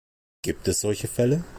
Gibt es solche Fälle?